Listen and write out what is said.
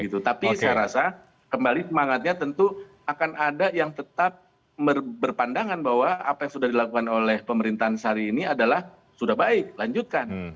tapi saya rasa kembali semangatnya tentu akan ada yang tetap berpandangan bahwa apa yang sudah dilakukan oleh pemerintahan sehari ini adalah sudah baik lanjutkan